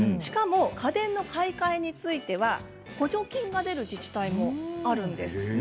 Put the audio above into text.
家電買い替えについては補助金が出る自治体もあるんです。